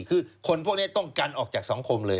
คือคนพวกนี้ต้องกันออกจากสังคมเลย